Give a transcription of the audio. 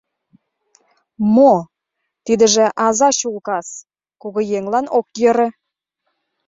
— Мо... тидыже аза чулкас, кугыеҥлан ок йӧрӧ.